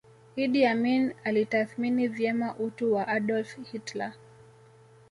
Idi Amin alitathmini vyema utu wa Adolf Hitler